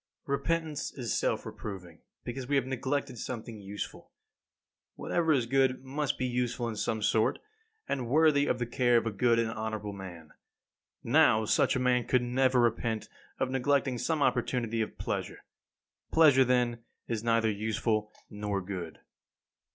10. Repentance is a self reproving, because we have neglected something useful. Whatever is good must be useful in some sort, and worthy of the care of a good and honourable man. Now, such a man could never repent of neglecting some opportunity of pleasure. Pleasure, then, is neither useful nor good.